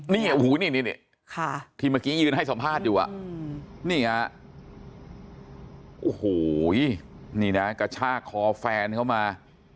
นี่โอ้โหนี่ที่เมื่อกี้ยืนให้สัมภาษณ์อยู่อ่ะนี่ฮะโอ้โหนี่นะกระชากคอแฟนเข้ามา